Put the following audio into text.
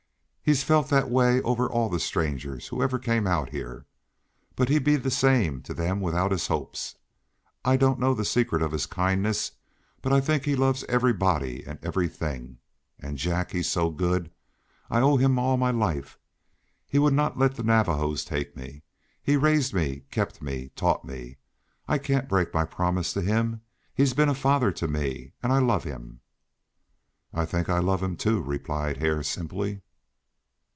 He's felt that way over all the strangers who ever came out here. But he'd be the same to them without his hopes. I don't know the secret of his kindness, but I think he loves everybody and everything. And Jack, he's so good. I owe him all my life. He would not let the Navajos take me; he raised me, kept me, taught me. I can't break my promise to him. He's been a father to me, and I love him." "I think I love him, too," replied Hare, simply.